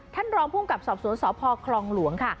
ท่านรองภูมิกับสอบสวนสพคลองหลวงค่ะ